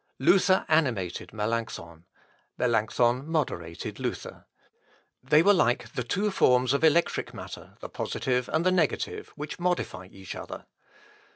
Luther animated Melancthon; Melancthon moderated Luther. They were like the two forms of electric matter, the positive and the negative, which modify each other.